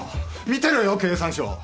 見てろよ経産省。